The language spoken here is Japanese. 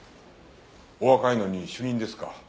お若いのに主任ですか。